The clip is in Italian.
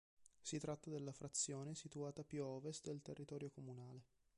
Si tratta della frazione situata più a ovest del territorio comunale.